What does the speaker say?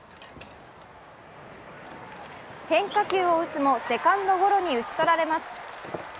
変化球を打つもセカンドゴロに打ち取られます。